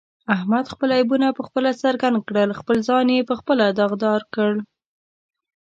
احمد خپل عیبونه په خپله څرګند کړل، خپل ځان یې په خپله داغدارکړ.